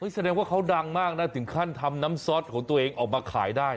แสดงว่าเขาดังมากนะถึงขั้นทำน้ำซอสของตัวเองออกมาขายได้